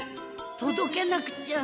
とどけなくちゃ。